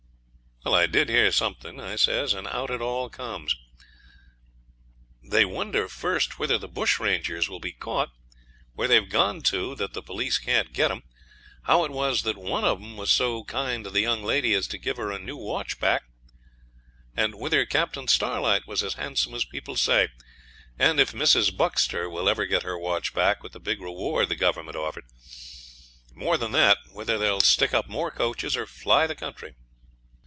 "Well, I did hear something," I says, and out it all comes. They wonder first whether the bush rangers will be caught; where they're gone to that the police can't get 'em; how it was that one of 'em was so kind to the young lady as to give her new watch back, and whether Captain Starlight was as handsome as people say, and if Mrs. Buxter will ever get her watch back with the big reward the Government offered. More than that, whether they'll stick up more coaches or fly the country.'